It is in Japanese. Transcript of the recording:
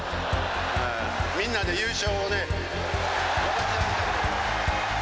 みんなで優勝をね、分かち合いたいと思います。